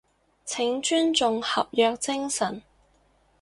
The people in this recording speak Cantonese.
請尊重合約精神